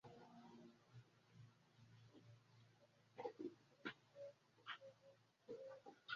Avə mùt nə à bɔlaŋ mə.